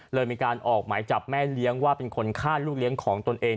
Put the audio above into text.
เลยมีการออกหมายจับแม่เลี้ยงว่าเป็นคนฆ่าลูกเลี้ยงของตนเอง